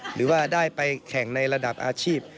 หรือว่าได้ไปแข่งในระดับอาชีพ